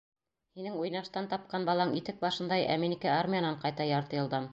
Һинең уйнаштан тапҡан балаң итек башындай, ә минеке армиянан ҡайта ярты йылдан!